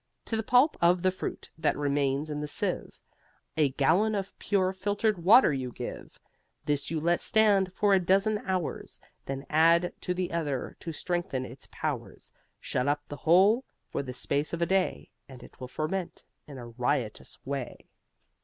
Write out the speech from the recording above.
To the pulp of the fruit that remains in the sieve A gallon of pure filtered water you give: This you let stand for a dozen of hours, Then add to the other to strengthen its powers. Shut up the whole for the space of a day And it will ferment in a riotous way.